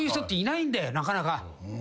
なかなか。